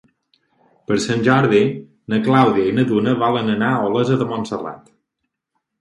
Per Sant Jordi na Clàudia i na Duna volen anar a Olesa de Montserrat.